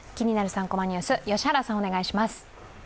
３コマニュース」、良原さん、お願いします。